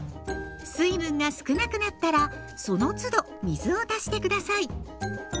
水分が少なくなったらそのつど水を足して下さい。